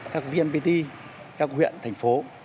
các vnpt các huyện thành phố